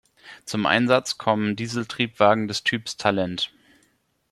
Zum Einsatz kommen Dieseltriebwagen des Typs Talent.